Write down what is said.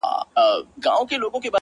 • دا خو ډيره گرانه ده،